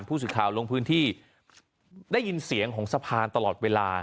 ผู้สื่อข่าวลงพื้นที่ได้ยินเสียงของสะพานตลอดเวลา